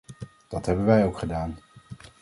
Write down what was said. Dat hebben wij ook gedaan.